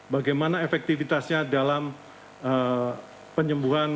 bagaimana efektivitasnya dalam penyembuhan